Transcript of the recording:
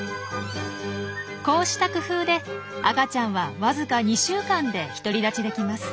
こうした工夫で赤ちゃんはわずか２週間で独り立ちできます。